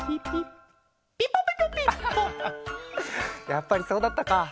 やっぱりそうだったか！